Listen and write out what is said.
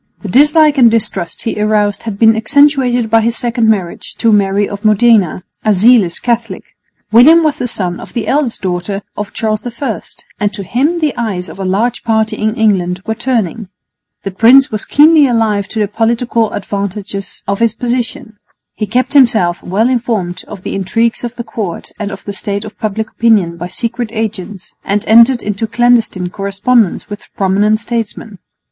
The dislike and distrust he aroused had been accentuated by his second marriage to Mary of Modena, a zealous Catholic. William was the son of the eldest daughter of Charles I, and to him the eyes of a large party in England were turning. The prince was keenly alive to the political advantages of his position. He kept himself well informed of the intrigues of the court and of the state of public opinion by secret agents, and entered into clandestine correspondence with prominent statesmen.